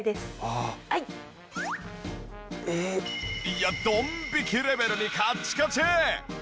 いやドン引きレベルにカッチカチ！